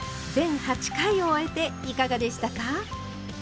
全８回を終えていかがでしたか？